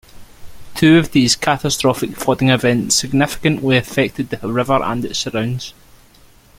Two of these catastrophic flooding events significantly affected the river and its surrounds.